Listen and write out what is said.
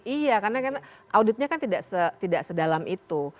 iya karena auditnya kan tidak sedalam itu